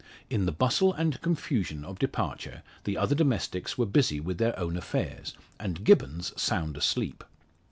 In the bustle and confusion of departure the other domestics were busy with their own affairs, and Gibbons sound asleep.